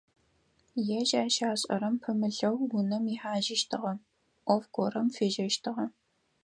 Ежь ащ ашӀэрэм пымылъэу, унэм ихьажьыщтыгъэ, Ӏоф горэм фежьэщтыгъэ.